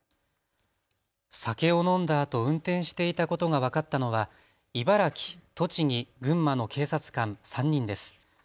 酒を飲んだあと運転していたことが分かったのは茨城、栃木、群馬の警察官３人です。